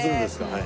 はい。